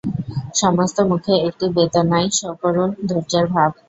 সমস্ত মুখে একটি বেদনায় সকরুণ ধৈর্যের ভাব।